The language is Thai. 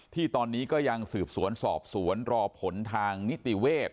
ที่ตอนนี้ก็ยังสืบสวนสอบสวนรอผลทางนิติเวทย์